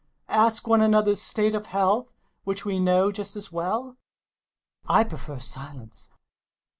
Ask one an other's state of health, whi<ih we know just as well ? I pre fer silence.